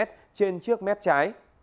trên trước mép trái